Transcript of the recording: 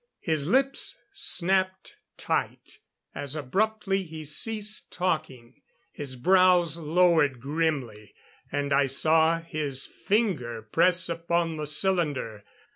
His lips snapped tight as abruptly he ceased talking; his brows lowered grimly and I saw his finger press upon the cylinder.